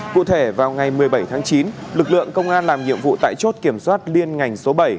cụ thể vào ngày một mươi bảy tháng chín lực lượng công an làm nhiệm vụ tại chốt kiểm soát liên ngành số bảy